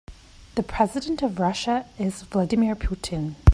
The president of Russia is Vladimir Putin.